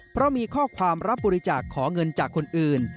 เพราะมีข้อความรับบริจาคขอเงินจากคนอื่น